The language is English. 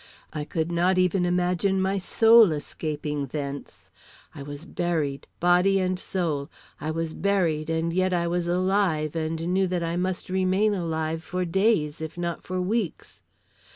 I could not even imagine my soul escaping thence. I was buried; body and soul, I was buried and yet I was alive and knew that I must remain alive for days if not for weeks.